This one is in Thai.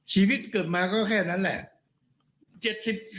ชีวิตเกิดมาก็แค่นั้นแหละ